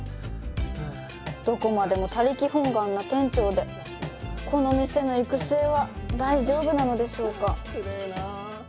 どこまでも他力本願な店長でこの店の行く末は大丈夫なのでしょうか